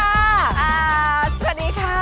สวัสดีค่ะ